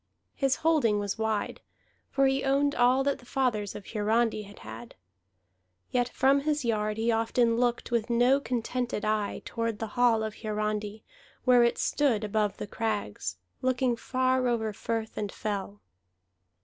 His holding was wide, for he owned all that the fathers of Hiarandi had had. Yet from his yard he often looked with no contented eye toward the hall of Hiarandi, where it stood above the crags, looking far over firth and fell.